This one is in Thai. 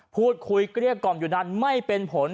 พูดคุยเกลี้ยกล่อมอยู่นั้นไม่เป็นผล